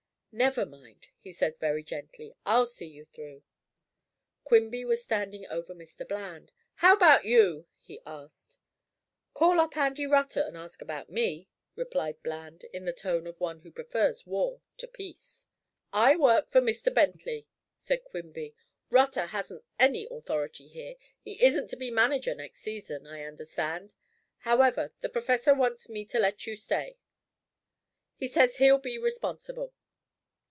"Never mind," he said very gently, "I'll see you through." Quimby was standing over Mr. Bland. "How about you?" he asked. "Call up Andy Rutter and ask about me," replied Bland, in the tone of one who prefers war to peace. "I work for Mr. Bentley," said Quimby. "Rutter hasn't any authority here. He isn't to be manager next season, I understand. However the professor wants me to let you stay. He says he'll be responsible."